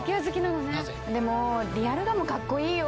でもディアルガもかっこいいよ。